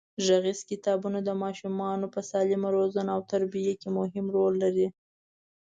غږیز کتابونه د ماشومانو په سالمه روزنه او تربیه کې مهم رول لري.